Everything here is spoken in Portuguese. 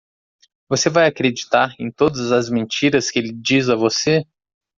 Você vai acreditar em todas as mentiras que ele diz a você?